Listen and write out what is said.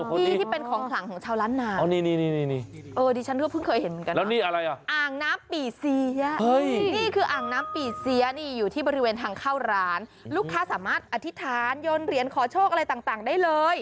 นี่ที่เป็นของผลังของชาวรัฐนานอังน้ำปีเสียนี่คืออังน้ำปีเสียอยู่ที่บริเวณทางเข้าร้านลูกค้าสามารถอธิษฐานยนต์เรียนขอโชคอะไรต่างได้เลย